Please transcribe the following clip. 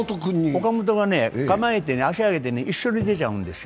岡本が構えて足が一緒に出ちゃうんですよ。